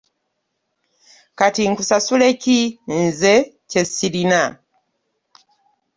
Kati nkusasule ki nze kye ssirina.